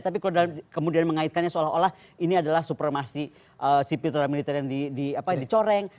tapi kalau kemudian mengaitkannya seolah olah ini adalah supremasi sipil terhadap militer yang dicoreng